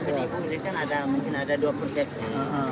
jadi ibu ini kan ada mungkin ada dua persepsi